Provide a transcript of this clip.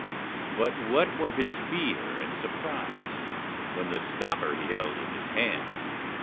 _] But what were his fear and surprise When the stopper he held in his hand!